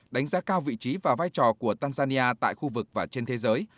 đánh giá cao vị trí và vai trò của tanzania tại khu vực và trên thế giới